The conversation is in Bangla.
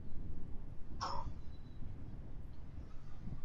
সেখানে টানা হরতাল-অবরোধের কারণে দু-এক দিন পরপরই চার-পাঁচ ট্রাক সবজি যাচ্ছে।